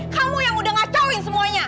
kamu yang udah ngacauin semuanya